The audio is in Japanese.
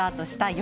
夜